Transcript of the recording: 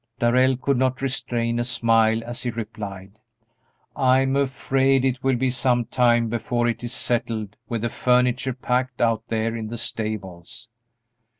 Darrell could not restrain a smile as he replied, "I'm afraid it will be some time before it is settled with the furniture packed out there in the stables."